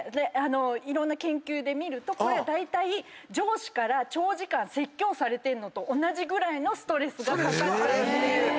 いろんな研究で見るとこれだいたい上司から長時間説教されるのと同じぐらいのストレスがかかっちゃうっていう。